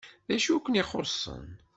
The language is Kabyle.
D acu i ken-ixuṣṣen?